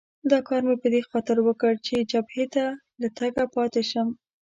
دا کار مې په دې خاطر وکړ چې جبهې ته له تګه پاتې شم.